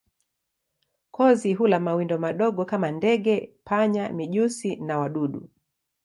Kozi hula mawindo madogo kama ndege, panya, mijusi na wadudu.